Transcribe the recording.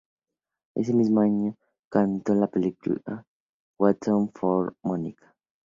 Ese mismo año cantó en la película "Waltz for Monica".